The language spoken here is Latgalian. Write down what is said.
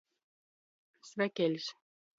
Svekeļs.